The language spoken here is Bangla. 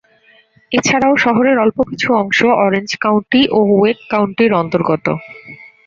এছাড়াও শহরের অল্প কিছু অংশ অরেঞ্জ কাউন্টি ও ওয়েক কাউন্টির অন্তর্গত।